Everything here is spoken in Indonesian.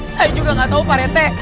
saya juga nggak tahu pak rete